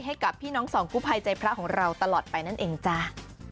ให้กับพี่น้องสองกู้ภัยใจพระของเราตลอดไปนั่นเองจ้า